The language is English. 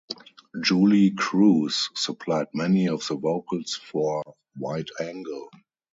Julee Cruise supplied many of the vocals for "Wide Angle".